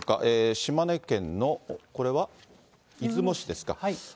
島根県の、これは出雲市ですか？